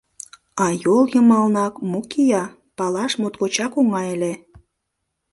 А йол йымалнак мо кия, палаш моткочак оҥай ыле.